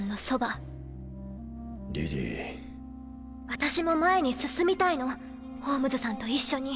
私も前に進みたいのホームズさんと一緒に。